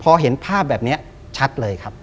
พอเห็นภาพแบบนี้ชัดเลยครับ